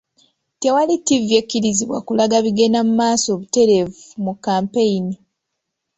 Tewali ttivi ekkirizibwa kulaga bigenda mu maaso butereevu mu kampeyini